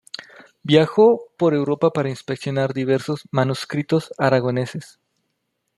Viajó por Europa para inspeccionar diversos manuscritos aragoneses.